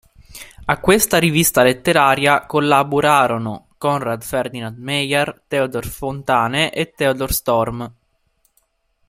A questa rivista letteraria collaborarono Conrad Ferdinand Meyer, Theodor Fontane e Theodor Storm.